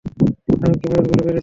আমি কী ময়ূরগুলো মেরেছি?